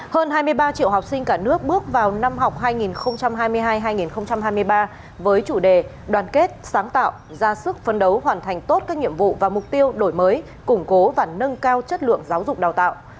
hơn hai mươi ba triệu học sinh cả nước bước vào năm học hai nghìn hai mươi hai hai nghìn hai mươi ba với chủ đề đoàn kết sáng tạo ra sức phấn đấu hoàn thành tốt các nhiệm vụ và mục tiêu đổi mới củng cố và nâng cao chất lượng giáo dục đào tạo